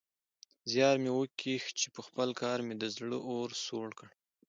زيار مې وکيښ چې پخپل کار مې د زړه اور سوړ کړ.